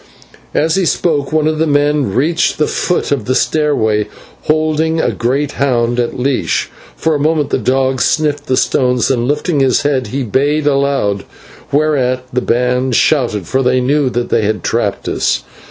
As he spoke one of the men reached the foot of the stairway holding a great hound in a leash. For a moment the dog sniffed the stones, then, lifting his head, he bayed aloud, whereat the band shouted, for they knew that they had trapped us.